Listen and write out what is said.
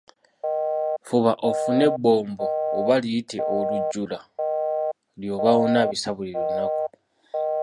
Fuba ofune ebbombo oba liyite olujjula ly'oba onaabisa buli lunaku.